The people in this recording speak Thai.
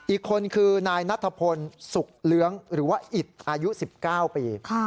อีกคนคือนายนัทพลสุขเลื้องหรือว่าอิตอายุ๑๙ปี